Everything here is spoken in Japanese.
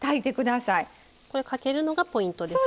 これかけるのがポイントですか？